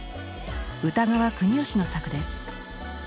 歌川国芳の作です。